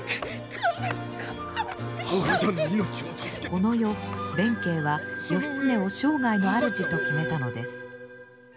この夜弁慶は義経を生涯のあるじと決めたのです。